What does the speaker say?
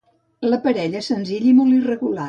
L'aparell és senzill i molt irregular.